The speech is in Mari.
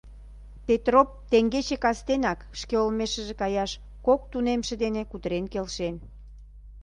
Петроп теҥгече кастенак шке олмешыже каяш кок тунемше дене кутырен келшен.